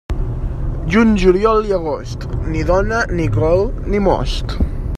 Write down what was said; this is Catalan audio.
Juny, juliol i agost, ni dona, ni col, ni most.